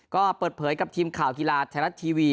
ก็เปิดเผยกับทีมข่าวกีฬาไทยรัฐทีวี